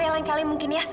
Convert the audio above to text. yang lain kali mungkin ya